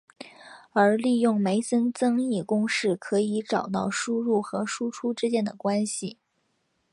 而利用梅森增益公式可以找到输入和输出之间的关系。